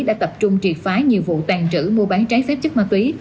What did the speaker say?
đã tập trung triệt phá nhiều vụ tàn trữ mua bán trái phép chất ma túy